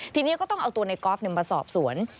ทีนี้ก็ต้องเอาตัวในกอล์ฟมาสอบสวน